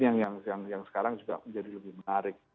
nah ini yang sekarang juga menjadi lebih menarik